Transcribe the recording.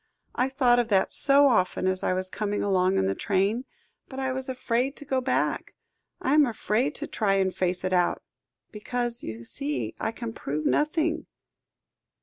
"I thought of that so often as I was coming along in the train, but I was afraid to go back. I am afraid to try to face it out, because you see I can prove nothing."